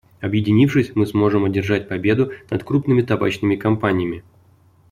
Объединившись, мы сможет одержать победу над крупными табачными компаниями.